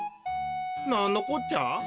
なんのこっちゃ？